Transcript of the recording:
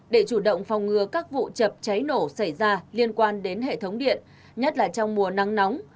để chủ động phòng ngừa các vụ chập cháy nổ xảy ra liên quan đến hệ thống điện nhất là trong mùa nắng nóng